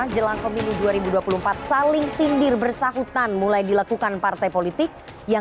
jangan lupa like share dan subscribe ya